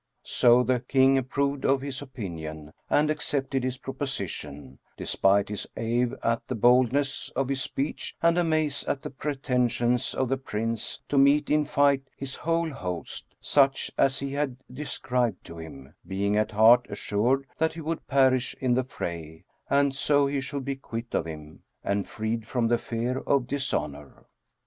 So the King approved of his opinion and accepted his proposition, despite his awe at the boldness of his speech and amaze at the pretensions of the Prince to meet in fight his whole host, such as he had described to him, being at heart assured that he would perish in the fray and so he should be quit of him and freed from the fear of dishonour.